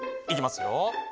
いきますよ。